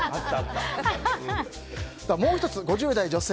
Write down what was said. もう１つ、５０代女性。